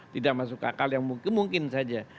tidak masuk akal yang mungkin mungkin saja